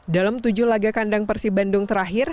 dalam tujuh laga kandang persib bandung terakhir